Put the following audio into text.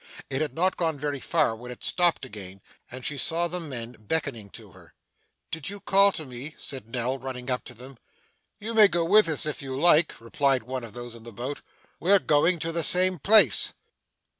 It had not gone very far, when it stopped again, and she saw the men beckoning to her. 'Did you call to me?' said Nell, running up to them. 'You may go with us if you like,' replied one of those in the boat. 'We're going to the same place.